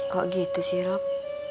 kok gitu sih rob